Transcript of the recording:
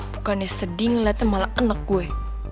bukannya sedih ngeliatnya malah anak gue